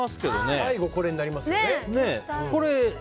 最後これになりますよね。